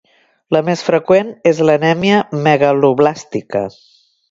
La més freqüent és l'anèmia megaloblàstica.